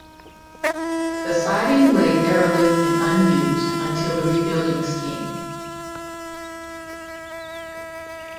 The siding lay derelict and unused until the rebuilding scheme.